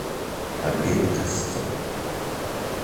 Обед косцов.